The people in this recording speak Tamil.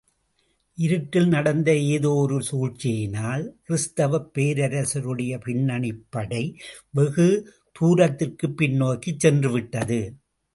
இருட்டில் நடந்த ஏதோ ஒரு சூழ்ச்சியினால், கிறிஸ்தவப் பேரரசருடைய பின்னணிப்படை, வெகு தூரத்திற்குப் பின்னோக்கிச் சென்றுவிட்டது.